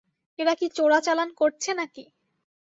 এরা কি চোরাচালান করছে নাকি?